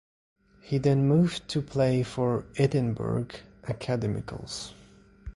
He then moved to play for Edinburgh Academicals.